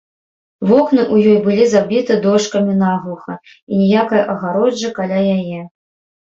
Вокны ў ёй былі забіты дошкамі наглуха, і ніякай агароджы каля яе.